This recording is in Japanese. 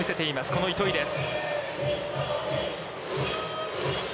この糸井です。